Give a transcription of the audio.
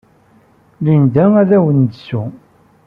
Linda ad awen-d-tesseww.